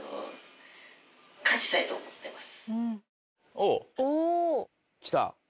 おお。きた。